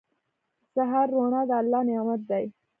• د سهار روڼا د الله نعمت دی.